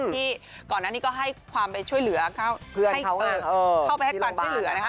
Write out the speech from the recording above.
ก่อนอันนี้ก็ให้ความไปช่วยเหลือเข้าไปให้ความช่วยเหลือนะคะ